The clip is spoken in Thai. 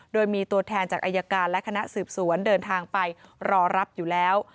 โดยมีตัวแทนจากอายการและคณะสืบสวนเดินทางไปรอรับอยู่แล้ว